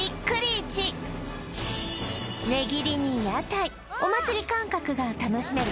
市値切りに屋台お祭り感覚が楽しめる